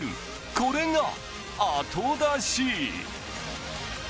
これが、後出し。